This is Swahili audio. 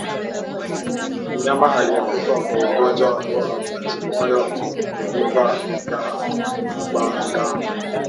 Mnyama aliyekufa kwa ugonjwa wa majimoyo huvimba bandama